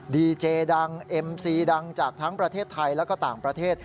ดีเจดังเอ็มซีดังจากทั้งประเทศไทยแล้วก็ต่างประเทศ